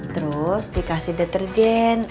terus dikasih deterjen